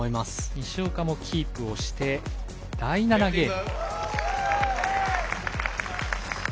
西岡もキープをして第７ゲーム。